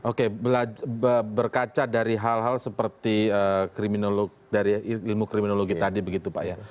oke berkaca dari hal hal seperti ilmu kriminologi tadi begitu pak ya